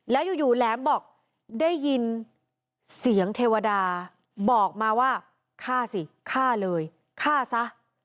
แล้วอยู่แหลมบอกได้ยินเสียงเทวดาบอกมาว่าฆ่าสิฆ่าเลยฆ่าซะ